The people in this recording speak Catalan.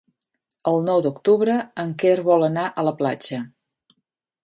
El nou d'octubre en Quer vol anar a la platja.